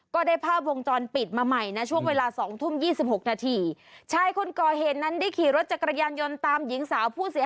ก็ได้ภาพวงจรปิดมาใหม่ช่วงเวลา๒ทุ่ม๒๖นาที